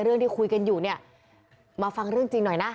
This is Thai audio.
เรื่องที่คุยกันอยู่เนี่ยมาฟังเรื่องจริงหน่อยนะ